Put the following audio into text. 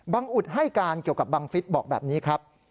อุดให้การเกี่ยวกับบังฟิศบอกแบบนี้ครับ